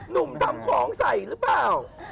หนุ่มทำของใส่หรือเปล่า